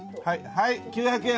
はい９００円を。